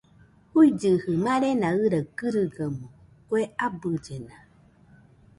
Juigɨjɨ marena ɨraɨ kɨrɨgaɨmo, kue abɨllena